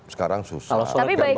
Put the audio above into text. sekarang susah tapi baiknya